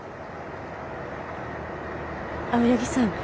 青柳さん